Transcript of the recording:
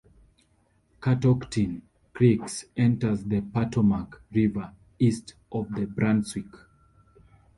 Catoctin Creek enters the Potomac River east of Brunswick.